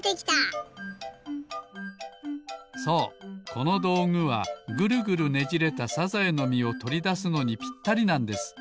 このどうぐはグルグルねじれたサザエのみをとりだすのにぴったりなんです。